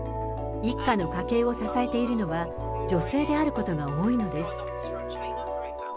一家の家計を支えているのは、女性であることが多いのです。